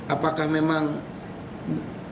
apakah memang tujuannya